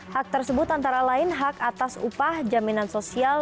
hak tersebut antara lain hak atas upah jaminan sosial